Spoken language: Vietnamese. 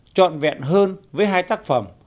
trọn vẹn hơn với hai tác phẩm